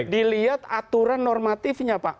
dilihat aturan normatifnya pak